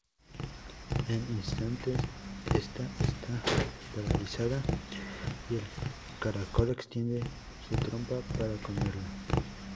En instantes esta está paralizada y el caracol extiende su trompa para comerla.